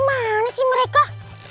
mana sih mereka